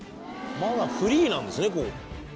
まだフリーなんですね。